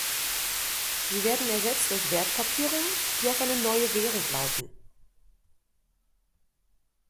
Sie werden ersetzt durch Wertpapiere, die auf eine neue Währung lauten.